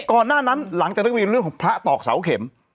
ก่อนหน้านั้นหลังจากนักเรียนเรื่องของพระตอกเสาเข็ม